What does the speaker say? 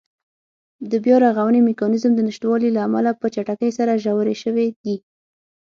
د بیا رغونې میکانېزم د نشتوالي له امله په چټکۍ سره ژورې شوې دي.